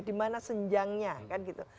dimana senjangnya kan gitu